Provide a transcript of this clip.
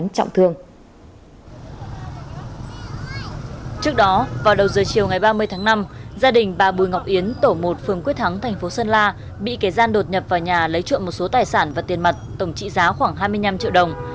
trước đó vào đầu giờ chiều ngày ba mươi tháng năm gia đình bà bùi ngọc yến tổ một phường quyết thắng thành phố sơn la bị kẻ gian đột nhập vào nhà lấy trộm một số tài sản và tiền mặt tổng trị giá khoảng hai mươi năm triệu đồng